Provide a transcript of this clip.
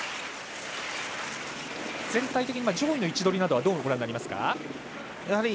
全体的に上位の位置取りなどはどうご覧になりますか？